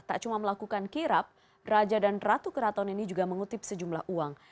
tak cuma melakukan kirap raja dan ratu keraton ini juga mengutip sejumlah uang